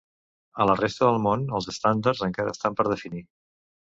A la resta del món els estàndards encara estan per definir.